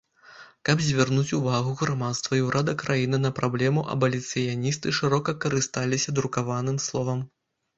Каб звярнуць увагу грамадства і ўрада краіны на праблему абаліцыяністы шырока карысталіся друкаваным словам.